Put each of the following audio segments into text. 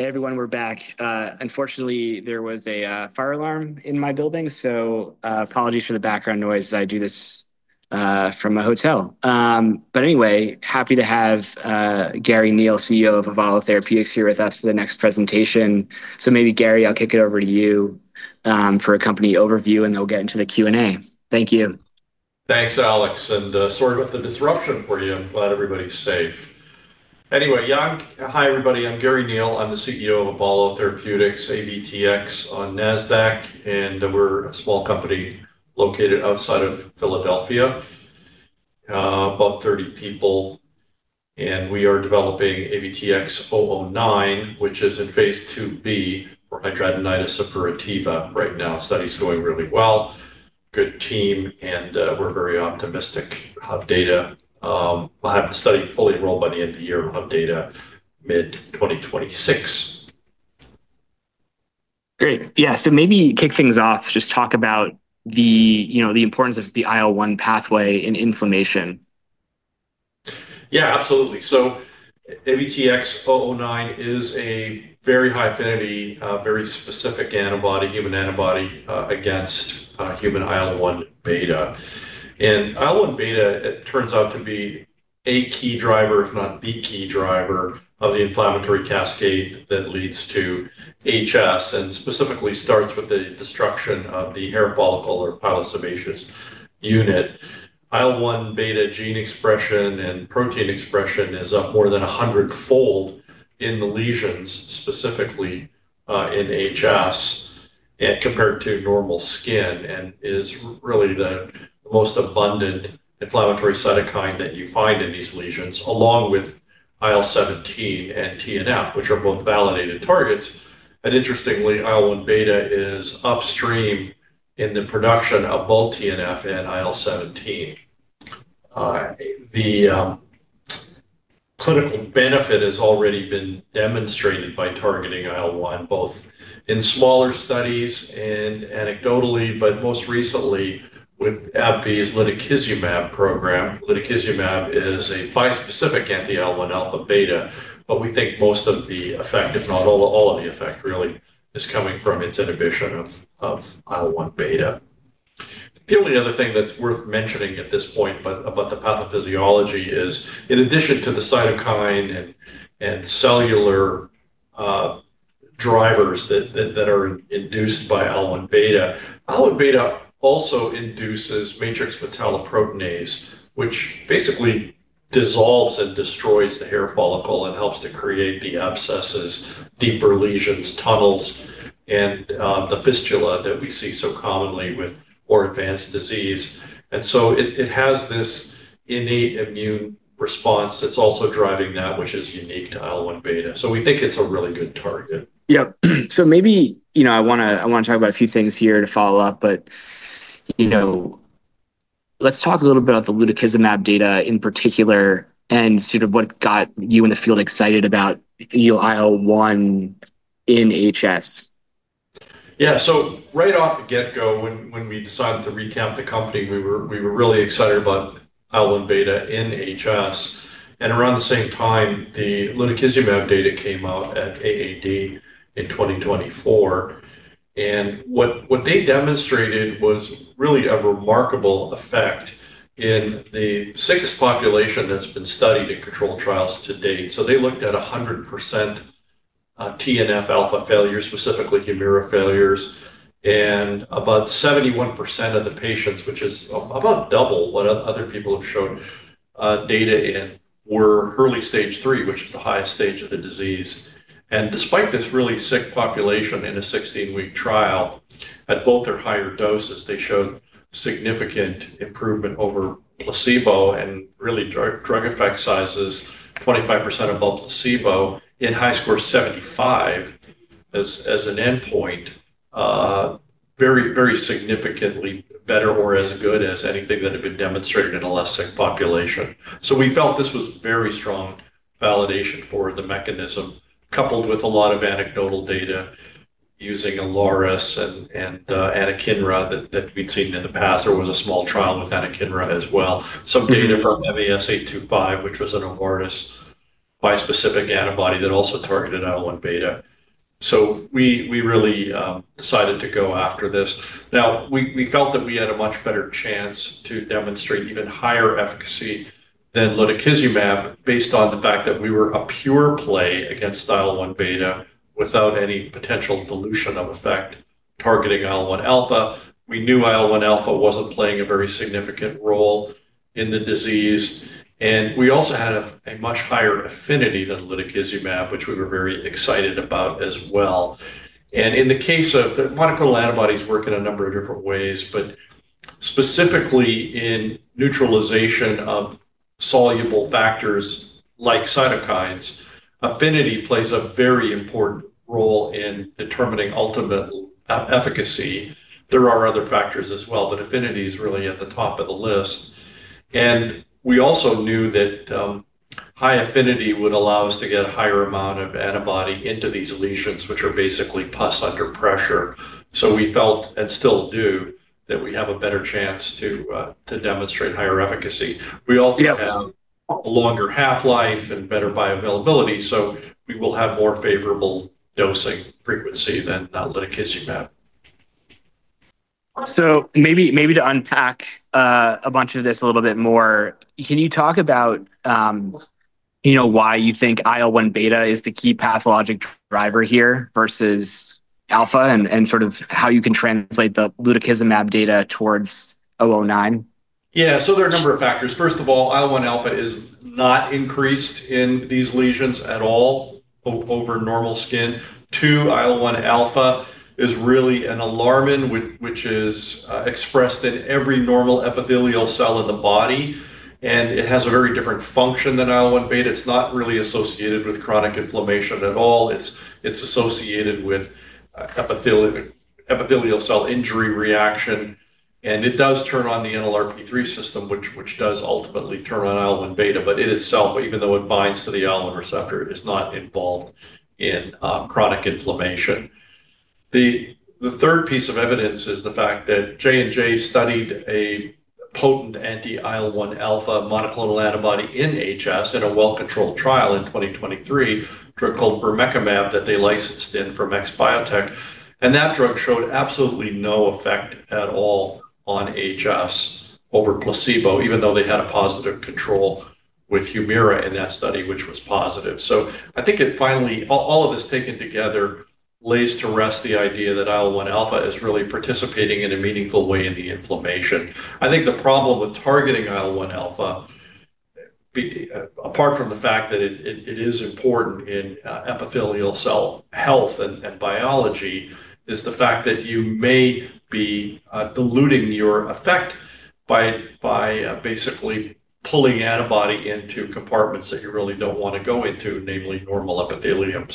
Hey everyone, we're back. Unfortunately, there was a fire alarm in my building, so apologies for the background noise. I do this from a hotel. Anyway, happy to have Garry Neil, CEO of Avalo Therapeutics, here with us for the next presentation. Maybe, Garry, I'll kick it over to you for a company overview, and then we'll get into the Q&A. Thank you. Thanks, Alex. Sorry about the disruption for you. I'm glad everybody's safe. Anyway, yeah, hi everybody. I'm Garry Neil. I'm the CEO of Avalo Therapeutics, AVTX, on Nasdaq, and we're a small company located outside of Philadelphia, about 30 people. We are developing AVTX-009, which is in phase II-B, hidradenitis suppurativa right now. Study's going really well. Good team, and we're very optimistic. We'll have the study fully enrolled by the end of the year. We'll have data mid-2026. Great. Yeah, maybe kick things off, just talk about the, you know, the importance of the IL-1 pathway in inflammation. Yeah, absolutely. AVTX-009 is a very high affinity, very specific antibody, human antibody, against human IL-1β. IL-1β turns out to be a key driver, if not the key driver, of the inflammatory cascade that leads to HS and specifically starts with the destruction of the hair follicle or pilosebaceous unit. IL-1β gene expression and protein expression is up more than 100-fold in the lesions, specifically in HS, and compared to normal skin, and is really the most abundant inflammatory cytokine that you find in these lesions, along with IL-17 and TNF, which are both validated targets. Interestingly, IL-1β is upstream in the production of both TNF and IL-17. The clinical benefit has already been demonstrated by targeting IL-1, both in smaller studies and anecdotally, but most recently with AbbVie's lutikizumab program. Lutikizumab is a bispecific anti-IL-1α/β, but we think most of the effect, if not all of the effect, really, is coming from its inhibition of IL-1β. The only other thing that's worth mentioning at this point about the pathophysiology is, in addition to the cytokine and cellular drivers that are induced by IL-1β, IL-1β also induces matrix metalloproteinase, which basically dissolves and destroys the hair follicle and helps to create the abscesses, deeper lesions, tunnels, and the fistula that we see so commonly with more advanced disease. It has this innate immune response that's also driving that, which is unique to IL-1β. We think it's a really good target. Maybe I want to talk about a few things here to follow up, but let's talk a little bit about the lutikizumab data in particular and sort of what got you in the field excited about IL-1 in HS. Yeah, so right off the get-go, when we decided to revamp the company, we were really excited about IL-1β in HS. Around the same time, the lutikizumab data came out at AAD in 2024. What they demonstrated was really a remarkable effect in the sickest population that's been studied in controlled trials to date. They looked at 100% TNF inhibitor failure, specifically Humira failures, and about 71% of the patients, which is about double what other people have shown data in, were early stage three, which is the highest stage of the disease. Despite this really sick population in a 16-week trial, at both their higher doses, they showed significant improvement over placebo and really drug effect sizes. 25% of both placebo and HiSCR75 as an endpoint, very, very significantly better or as good as anything that had been demonstrated in a less sick population. We felt this was very strong validation for the mechanism, coupled with a lot of anecdotal data using [IL-1 inhibitors] and anakinra that we'd seen in the past. There was a small trial with anakinra as well. Some data from MAS825, which was an [IL-1] bispecific antibody that also targeted IL-1β. We really decided to go after this. We felt that we had a much better chance to demonstrate even higher efficacy than lutikizumab based on the fact that we were a pure play against IL-1β without any potential dilution of effect targeting IL-1α. We knew IL-1α wasn't playing a very significant role in the disease. We also had a much higher affinity to lutikizumab, which we were very excited about as well. In the case of monoclonal antibodies, they work in a number of different ways, but specifically in neutralization of soluble factors like cytokines, affinity plays a very important role in determining ultimate efficacy. There are other factors as well, but affinity is really at the top of the list. We also knew that high affinity would allow us to get a higher amount of antibody into these lesions, which are basically pus under pressure. We felt, and still do, that we have a better chance to demonstrate higher efficacy. We also have a longer half-life and better bioavailability, so we will have more favorable dosing frequency than lutikizumab. Maybe to unpack a bunch of this a little bit more, can you talk about why you think IL-1β is the key pathologic driver here versus alpha and sort of how you can translate the lutikizumab data towards AVTX-009? Yeah, so there are a number of factors. First of all, IL-1α is not increased in these lesions at all over normal skin. Two, IL-1α is really an alarmin, which is expressed in every normal epithelial cell in the body. It has a very different function than IL-1β. It's not really associated with chronic inflammation at all. It's associated with epithelial cell injury reaction. It does turn on the NLRP3 system, which does ultimately turn on IL-1β, but in itself, even though it binds to the IL-1 receptor, it's not involved in chronic inflammation. The third piece of evidence is the fact that J&J studied a potent anti-IL-1α monoclonal antibody in hidradenitis suppurativa in a well-controlled trial in 2023, a drug called bermekimab that they licensed in from XBiotech. That drug showed absolutely no effect at all on hidradenitis suppurativa over placebo, even though they had a positive control with Humira in that study, which was positive. I think finally, all of this taken together, lays to rest the idea that IL-1α is really participating in a meaningful way in the inflammation. I think the problem with targeting IL-1α, apart from the fact that it is important in epithelial cell health and biology, is the fact that you may be diluting your effect by basically pulling antibody into compartments that you really don't want to go into, namely normal epithelium.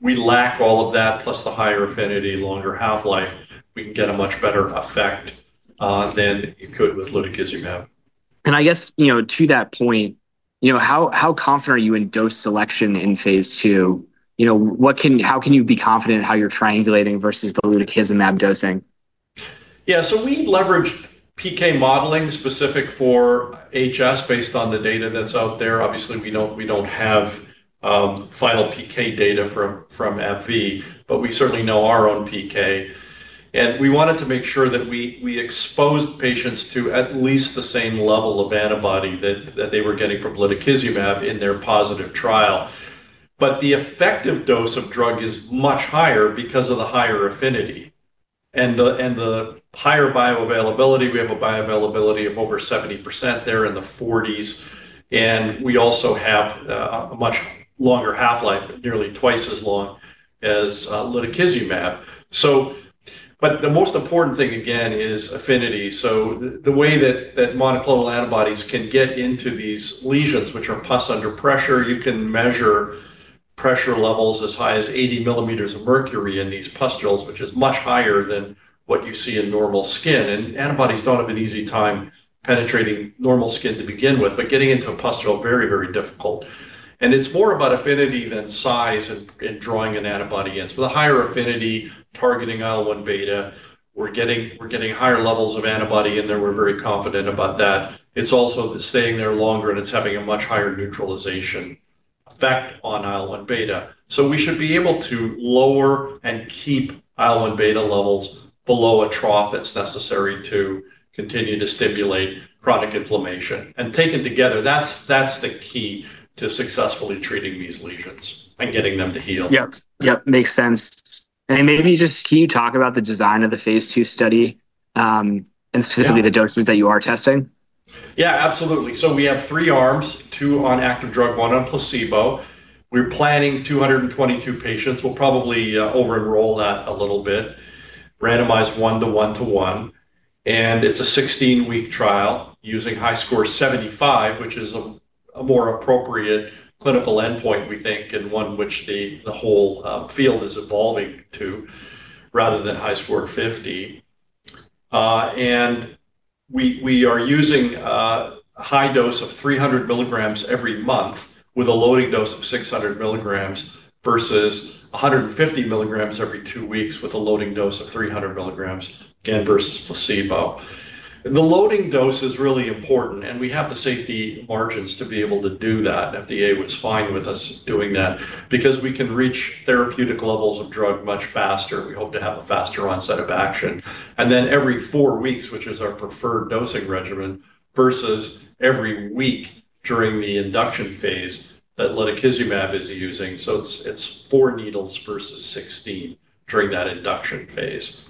We lack all of that, plus the higher affinity, longer half-life. We can get a much better effect than you could with lutikizumab. To that point, how confident are you in dose selection in phase II? How can you be confident in how you're triangulating versus the lutikizumab dosing? Yeah, so we leverage PK modeling specific for HS based on the data that's out there. Obviously, we don't have final PK data from AbbVie, but we certainly know our own PK. We wanted to make sure that we exposed patients to at least the same level of antibody that they were getting from lutikizumab in their positive trial. The effective dose of drug is much higher because of the higher affinity and the higher bioavailability. We have a bioavailability of over 70% and they're in the 40s. We also have a much longer half-life, nearly twice as long as lutikizumab. The most important thing again is affinity. The way that monoclonal antibodies can get into these lesions, which are pus under pressure, you can measure pressure levels as high as 80 mm of mercury in these pustules, which is much higher than what you see in normal skin. Antibodies don't have an easy time penetrating normal skin to begin with, but getting into a pustule is very, very difficult. It's more about affinity than size in drawing an antibody in. The higher affinity targeting IL-1β, we're getting higher levels of antibody in there. We're very confident about that. It's also staying there longer, and it's having a much higher neutralization effect on IL-1β. We should be able to lower and keep IL-1β levels below a trough that's necessary to continue to stimulate chronic inflammation. Taken together, that's the key to successfully treating these lesions and getting them to heal. Yep, yep, makes sense. Maybe just can you talk about the design of the phase II study, and specifically the doses that you are testing? Yeah, absolutely. We have three arms, two on active drug, one on placebo. We're planning 222 patients. We'll probably over-enroll that a little bit, randomize one to one to one. It's a 16-week trial using HiSCR75, which is a more appropriate clinical endpoint, we think, and one which the whole field is evolving to, rather than HiSCR50. We are using a high dose of 300 mm every month with a loading dose of 600 mm versus 150 mm every two weeks with a loading dose of 300 mm, again, versus placebo. The loading dose is really important. We have the safety margins to be able to do that. The FDA was fine with us doing that because we can reach therapeutic levels of drug much faster. We hope to have a faster onset of action. Every four weeks is our preferred dosing regimen, versus every week during the induction phase that lutikizumab is using. It's four needles versus 16 during that induction phase.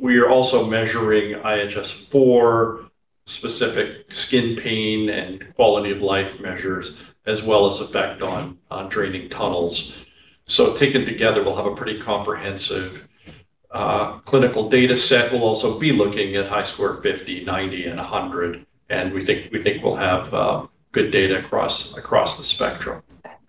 We are also measuring IHS-4, specific skin pain and quality of life measures, as well as effect on draining tunnels. Taken together, we'll have a pretty comprehensive clinical data set. We'll also be looking at HiSCR50, 90, and 100. We think we'll have good data across the spectrum.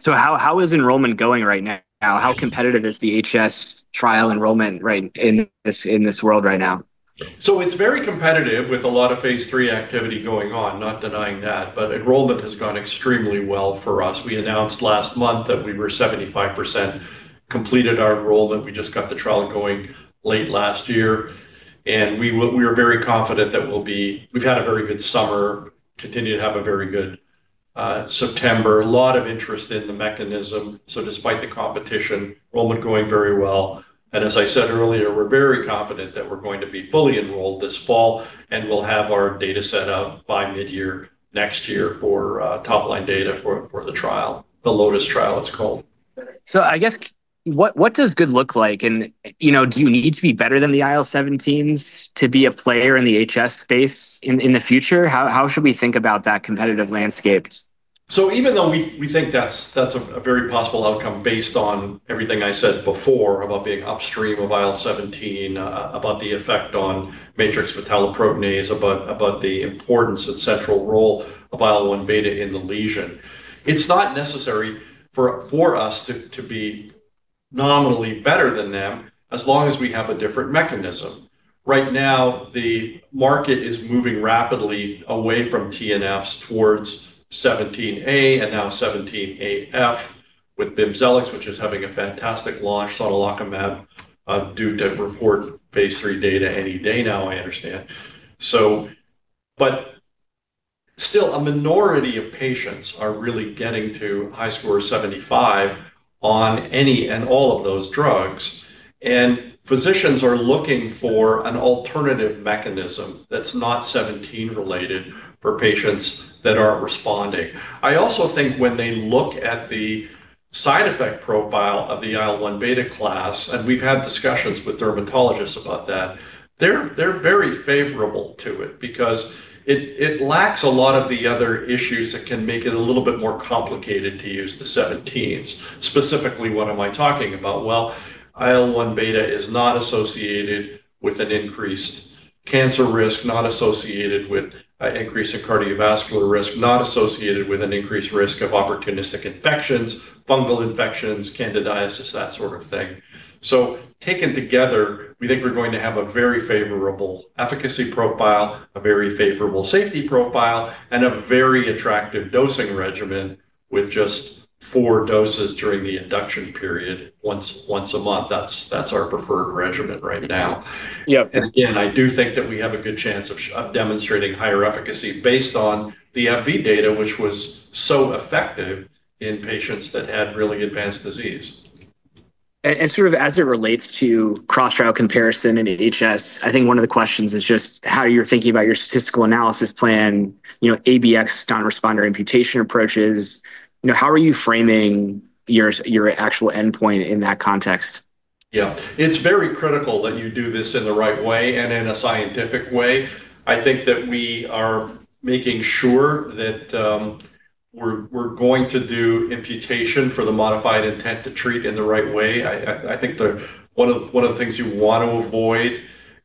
How is enrollment going right now? How competitive is the HS trial enrollment in this world right now? It is very competitive with a lot of phase III activity going on, not denying that, but enrollment has gone extremely well for us. We announced last month that we were 75% completed our enrollment. We just got the trial going late last year, and we are very confident that we'll be, we've had a very good summer, continue to have a very good September. A lot of interest in the mechanism. Despite the competition, enrollment going very well. As I said earlier, we're very confident that we're going to be fully enrolled this fall, and we'll have our data set out by mid-year next year for topline data for the trial, the LOTUS trial, it's called. What does good look like? Do you need to be better than the IL-17s to be a player in the HS space in the future? How should we think about that competitive landscape? Even though we think that's a very possible outcome based on everything I said before about being upstream of IL-17, about the effect on matrix metalloproteinase, about the importance of central role of IL-1β in the lesion, it's not necessary for us to be nominally better than them as long as we have a different mechanism. Right now, the market is moving rapidly away from TNF inhibitors towards 17A and now 17AF with BIMZELX, which is having a fantastic launch. [Sotalacamab], a drug that reports phase III data any day now, I understand. Still, a minority of patients are really getting to HiSCR75 on any and all of those drugs. Physicians are looking for an alternative mechanism that's not 17 related for patients that are responding. I also think when they look at the side effect profile of the IL-1β class, and we've had discussions with dermatologists about that, they're very favorable to it because it lacks a lot of the other issues that can make it a little bit more complicated to use the 17s. Specifically, what am I talking about? IL-1β is not associated with an increased cancer risk, not associated with an increase in cardiovascular risk, not associated with an increased risk of opportunistic infections, fungal infections, candidiasis, that sort of thing. Taken together, we think we're going to have a very favorable efficacy profile, a very favorable safety profile, and a very attractive dosing regimen with just four doses during the induction period once a month. That's our preferred regimen right now. Yep. I do think that we have a good chance of demonstrating higher efficacy based on the AbbVie data, which was so effective in patients that had really advanced disease. As it relates to cross-trial comparison in HS, I think one of the questions is just how you're thinking about your statistical analysis plan, you know, ABX non-responder, imputation approaches. You know, how are you framing your actual endpoint in that context? Yeah, it's very critical that you do this in the right way and in a scientific way. I think that we are making sure that we're going to do imputation for the modified intent to treat in the right way. I think one of the things you want to avoid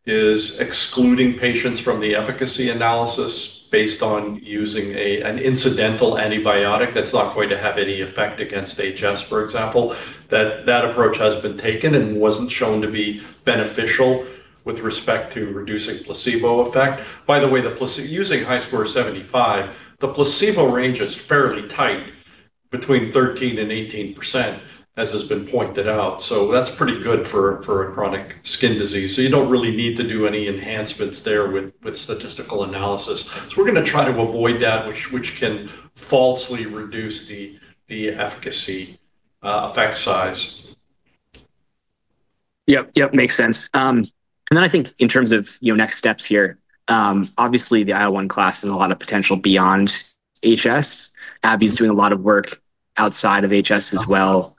is excluding patients from the efficacy analysis based on using an incidental antibiotic that's not going to have any effect against HS, for example. That approach has been taken and wasn't shown to be beneficial with respect to reducing placebo effect. By the way, using HiSCR75, the placebo range is fairly tight between 13% and 18%, as has been pointed out. That's pretty good for a chronic skin disease. You don't really need to do any enhancements there with statistical analysis. We're going to try to avoid that, which can falsely reduce the efficacy, effect size. Yep, yep, makes sense. I think in terms of, you know, next steps here, obviously the IL-1 class has a lot of potential beyond HS. AbbVie is doing a lot of work outside of HS as well.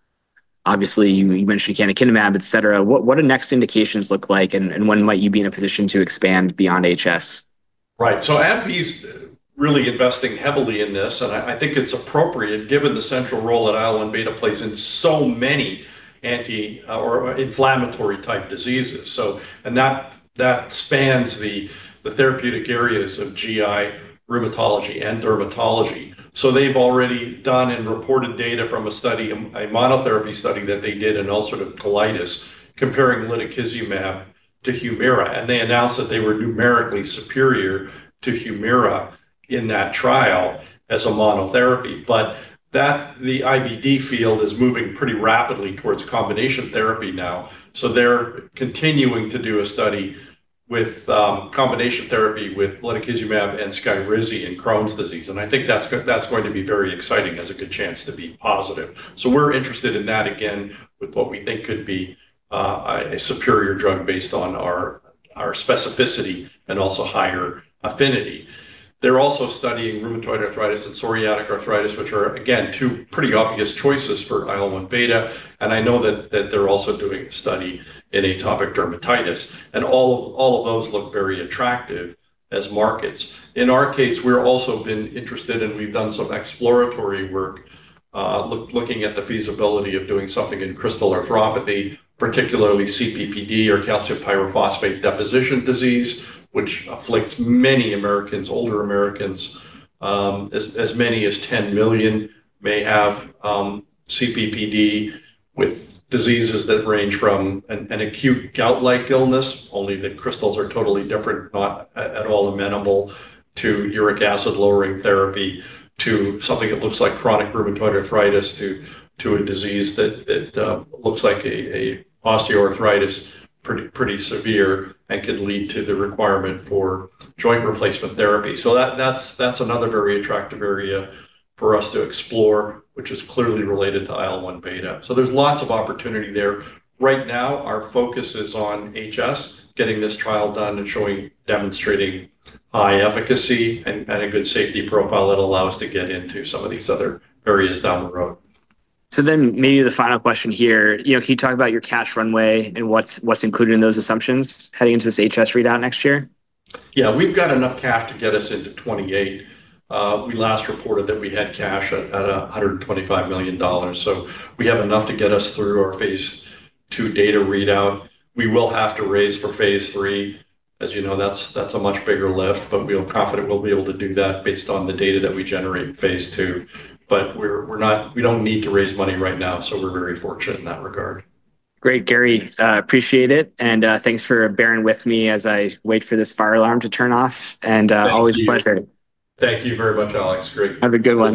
Obviously, you mentioned canakinumab, et cetera. What do next indications look like and when might you be in a position to expand beyond HS? Right, so AbbVie is really investing heavily in this, and I think it's appropriate given the central role that IL-1β plays in so many anti-inflammatory type diseases. That spans the therapeutic areas of GI, rheumatology, and dermatology. They've already done and reported data from a study, a monotherapy study that they did in ulcerative colitis, comparing lutikizumab to Humira. They announced that they were numerically superior to Humira in that trial as a monotherapy. The IBD field is moving pretty rapidly towards combination therapy now. They're continuing to do a study with combination therapy with lutikizumab and Skyrizi in Crohn’s disease. I think that's going to be very exciting as a good chance to be positive. We're interested in that again with what we think could be a superior drug based on our specificity and also higher affinity. They're also studying rheumatoid arthritis and psoriatic arthritis, which are again two pretty obvious choices for IL-1β. I know that they're also doing a study in atopic dermatitis. All of those look very attractive as markets. In our case, we've also been interested and we've done some exploratory work, looking at the feasibility of doing something in crystal arthropathy, particularly CPPD or calcium pyrophosphate dihydrate deposition disease, which afflicts many Americans, older Americans, as many as 10 million may have, CPPD with diseases that range from an acute gout-like illness, only the crystals are totally different, not at all amenable to uric acid lowering therapy, to something that looks like chronic rheumatoid arthritis, to a disease that looks like osteoarthritis, pretty severe, and could lead to the requirement for joint replacement therapy. That's another very attractive area for us to explore, which is clearly related to IL-1β. There's lots of opportunity there. Right now, our focus is on HS, getting this trial done and showing, demonstrating high efficacy and a good safety profile that allow us to get into some of these other areas down the road. Maybe the final question here, you know, can you talk about your cash runway and what's included in those assumptions heading into this HS readout next year? Yeah, we've got enough cash to get us into 2028. We last reported that we had cash at $125 million. We have enough to get us through our phase II data readout. We will have to raise for phase III. As you know, that's a much bigger lift, but we're confident we'll be able to do that based on the data that we generate in phase II. We're not, we don't need to raise money right now. We're very fortunate in that regard. Great, Garry, I appreciate it. Thanks for bearing with me as I wait for this fire alarm to turn off. Always a pleasure. Thank you very much, Alex. Great. Have a good one.